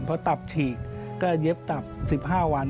พอตับฉีกก็เย็บตับ๑๕วัน